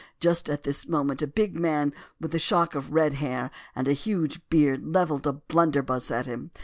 Just at this moment a big man with a shock of red hair and a huge beard levelled a blunderbuss at him.